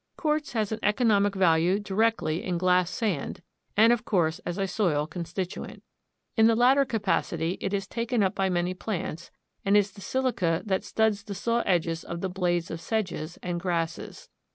Quartz has an economic value directly in glass sand and of course as a soil constituent. In the latter capacity, it is taken up by many plants, and is the silica that studs the saw edges of the blades of sedges and grasses.